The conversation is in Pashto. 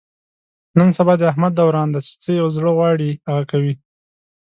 نن سبا د احمد دوران دی، چې څه یې زړه و غواړي هغه کوي.